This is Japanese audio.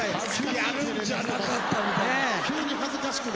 やるんじゃなかったみたいな。